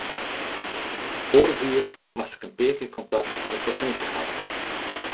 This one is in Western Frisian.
Foarich jier moast ik in kear kontakt mei de provinsje hawwe.